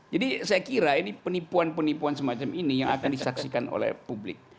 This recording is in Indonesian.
jadi saya kira ini penipuan penipuan semacam ini yang akan disaksikan oleh publik